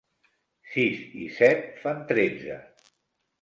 Sis i set fan tretze.